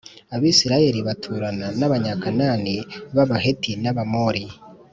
Abisirayeli baturana n’Abanyakanani b’Abaheti n’Abamori